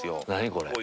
これ。